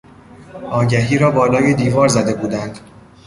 آگهی را بالای دیوار زده بودند.